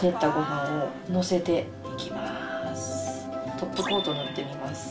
トップコート塗ってみます。